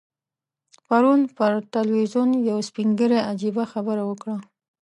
پرون پر ټلویزیون یو سپین ږیري عجیبه خبره وکړه.